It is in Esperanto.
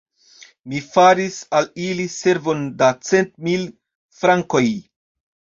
Mi faris al ili servon da cent mil frankoj!